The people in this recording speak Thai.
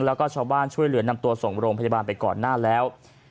แล้วก็ชาวบ้านช่วยเหลือนำตัวส่งโรงพยาบาลไปก่อนหน้าแล้ว